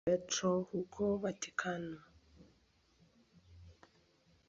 Petro huko Vatikano.